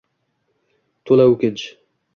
to’la o’kinch